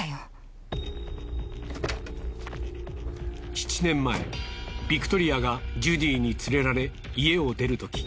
７年前ビクトリアがジュディに連れられ家を出るとき